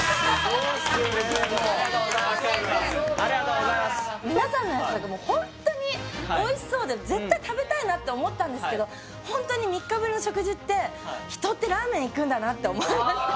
もうありがとうございますありがとうございますみなさんのやつとかもホントにおいしそうで絶対食べたいなって思ったんですけどホントに３日ぶりの食事って人ってラーメンいくんだなって思いました